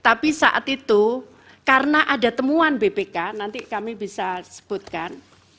tapi saat itu karena ada temuan bpk nanti kami bisa sebutkan